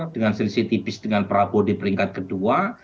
dengan selisih tipis dengan prabowo di peringkat kedua